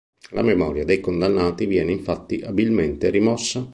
La memoria dei condannati viene infatti abilmente rimossa.